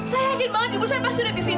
saya yakin banget ibu saya pas sudah disini pak